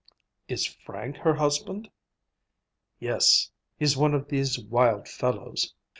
"Is Frank her husband?" "Yes. He's one of these wild fellows.